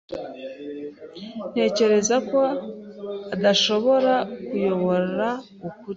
Ntekereza ko adashobora kuyobora ukuri.